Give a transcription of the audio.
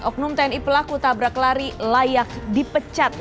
oknum tni pelaku tabrak lari layak dipecat